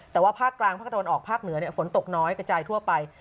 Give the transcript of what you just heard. แต่ว่าภาคกลางภาคตะวันออกภาคเหนือฝนตกน้อยกระจายทั่วไป